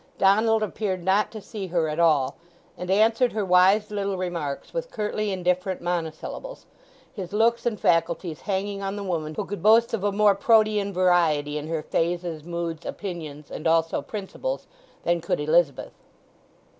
Donald appeared not to see her at all, and answered her wise little remarks with curtly indifferent monosyllables, his looks and faculties hanging on the woman who could boast of a more Protean variety in her phases, moods, opinions, and also principles, than could Elizabeth.